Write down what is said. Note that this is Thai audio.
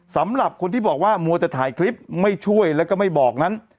สำหรับคนที่บอกว่ามัวแต่ถ่ายคลิปไม่ช่วยแล้วก็ไม่บอกนั้น